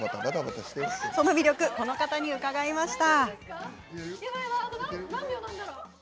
その魅力をこの方に伺いました。